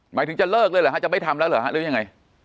หมายถึงจะเลิกเลยหรือน่ะจะไม่ทำแล้วหรือยัง